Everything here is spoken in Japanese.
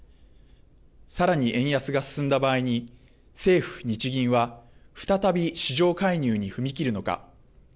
さらに円安が進んだ場合に政府・日銀は再び市場介入に踏み切るのか。